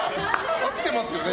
合ってますよね？